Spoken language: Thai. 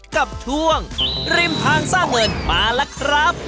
กับช่วงริมทางสร้างเงินมาแล้วครับ